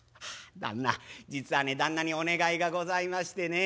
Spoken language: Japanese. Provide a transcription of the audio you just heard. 「旦那実はね旦那にお願いがございましてね。